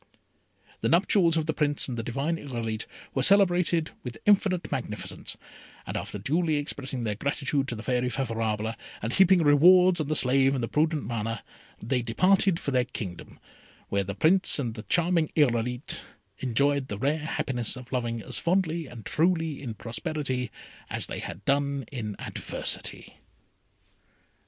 The nuptials of the Prince and the divine Irolite were celebrated with infinite magnificence, and after duly expressing their gratitude to the Fairy Favourable, and heaping rewards on the slave and the prudent Mana, they departed for their kingdom, where the Prince and the charming Irolite enjoyed the rare happiness of loving as fondly and truly in prosperity as they had done in adversity.